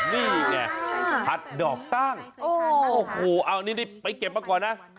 นี่ไงผัดดอกตั้งโอ้โหเอานี่ไปเก็บมาก่อนนะ